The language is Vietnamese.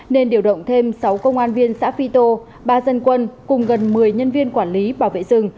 nên điều động thêm sáu công an viên xã phi tô ba dân quân cùng gần một mươi nhân viên quản lý bảo vệ rừng